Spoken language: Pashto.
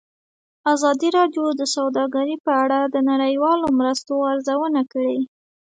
ازادي راډیو د سوداګري په اړه د نړیوالو مرستو ارزونه کړې.